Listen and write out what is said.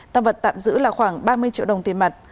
tăng vật tạm giữ là khoảng ba mươi triệu đồng tiền mặt